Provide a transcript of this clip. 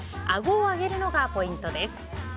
あごを上げるのがポイントです。